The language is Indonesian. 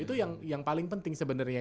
itu yang paling penting sebenarnya